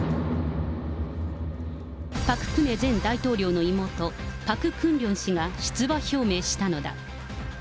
パク・クネ前大統領の妹、パク・クンリョン氏が出馬表明したのだ。